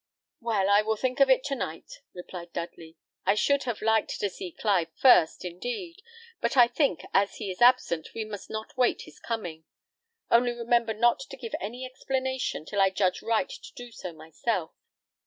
"Well, I will think of it to night," replied Dudley. "I should have liked to see Clive first, indeed; but I think as he is absent we must not wait his coming. Only remember not to give any explanation till I judge right to do so myself.